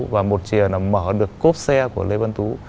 và một chìa là mở được cốp xe của lê văn tú